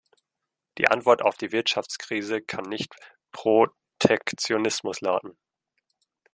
Die Antwort auf die Wirtschaftskrise kann nicht Protektionismus lauten.